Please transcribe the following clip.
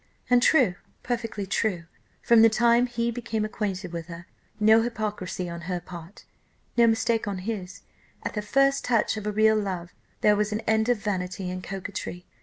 And true, perfectly true, from the time he became acquainted with her; no hypocrisy on her part, no mistake on his; at the first touch of a real love, there was an end of vanity and coquetry.